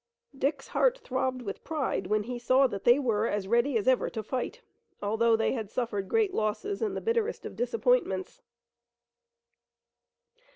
Dick's heart throbbed with pride when he saw that they were as ready as ever to fight, although they had suffered great losses and the bitterest of disappointments.